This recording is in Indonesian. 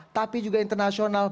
tapi juga internasional